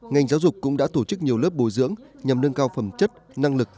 ngành giáo dục cũng đã tổ chức nhiều lớp bồi dưỡng nhằm nâng cao phẩm chất năng lực